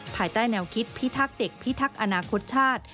ภายใต้แนวคิดพิทักษ์เด็กพิทักษ์อนาคตชาติ